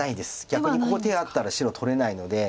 逆にここ手あったら白取れないので。